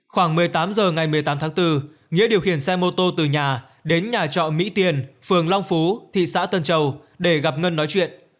khoảng một mươi tám h ngày một mươi tám tháng bốn nghĩa điều khiển xe mô tô từ nhà đến nhà trọ mỹ tiền phường long phú thị xã tân châu để gặp ngân nói chuyện